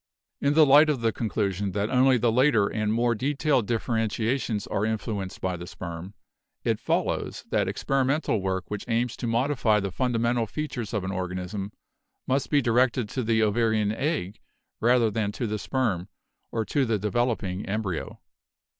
"In the light of the conclusion that only the later and more detailed differentiations are influenced by the sperm,, it follows that experimental work which aims to modify the fundamental features of an organism must be directed to the ovarian egg rather than to the sperm or to the de veloping embryo."